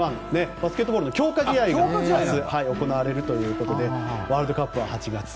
バスケットボールの強化試合が明日、行われるということでワールドカップは８月。